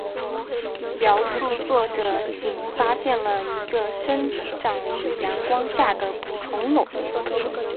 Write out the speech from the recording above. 描述作者仅发现了一个生长于阳光下的捕虫笼。